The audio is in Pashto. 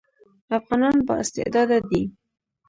افغانان با استعداده دي